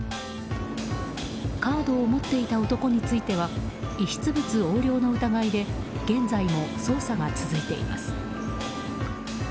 カードを持っていた男については遺失物横領の疑いで現在も捜査が続いています。